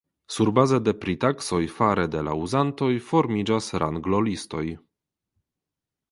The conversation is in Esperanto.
Surbaze de pritaksoj fare de la uzantoj formiĝas ranglolistoj.